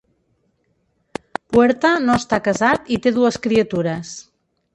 Puerta no està casat i té dues criatures.